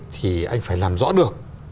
thì anh phải làm rõ được